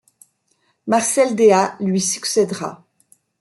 Marcel Déat lui succèdera.